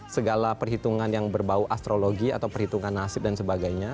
segala perhitungan yang berbau astrologi atau perhitungan nasib dan sebagainya